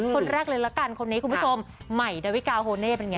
คนแรกเลยละกันคนนี้คุณผู้ชมใหม่ดาวิกาโฮเน่เป็นไง